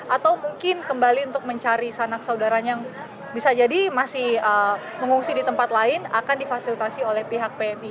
atau mungkin kembali untuk mencari sanak saudaranya yang bisa jadi masih mengungsi di tempat lain akan difasilitasi oleh pihak pmi